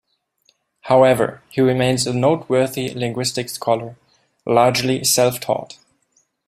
However, he remains a noteworthy linguistic scholar, largely self-taught.